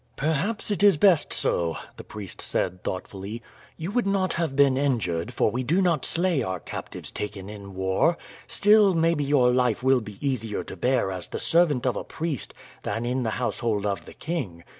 "Perhaps it is best so," the priest said thoughtfully. "You would not have been injured, for we do not slay our captives taken in war; still maybe your life will be easier to bear as the servant of a priest than in the household of the king.